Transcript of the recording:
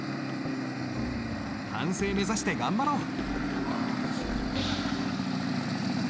完成目指して頑張ろう！